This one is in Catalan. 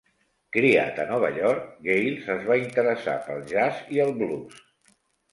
Criat a Nova York, Geils es va interessar pel jazz i el blues.